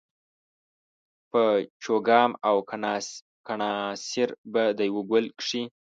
په چوګام او کڼاسېر په دېوه ګل کښي